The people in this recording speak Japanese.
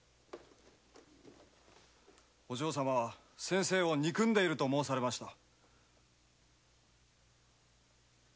お嬢様は先生を憎んでいると申されました。